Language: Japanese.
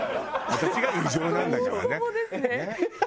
私が異常なんだからね。